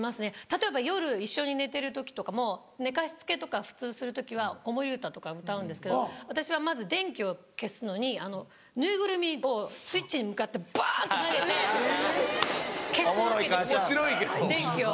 例えば夜一緒に寝てる時とかも寝かしつけとか普通する時は子守歌とか歌うんですけど私はまず電気を消すのにぬいぐるみをスイッチに向かってバンって投げて消すわけですよ